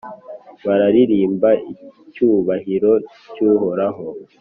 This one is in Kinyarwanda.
bararirimba icyubahiro cy’Uhoraho,